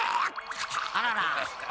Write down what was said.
あらら。